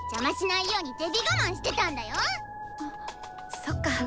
そっか。